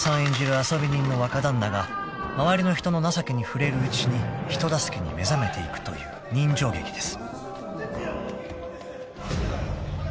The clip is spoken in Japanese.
遊び人の若旦那が周りの人の情けに触れるうちに人助けに目覚めていくという人情劇です］